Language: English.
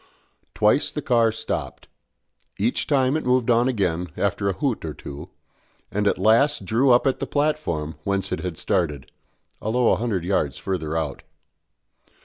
Twice the car stopped; each time it moved on again after a hoot or two, and at last drew up at the platform whence it had started, although a hundred yards further out.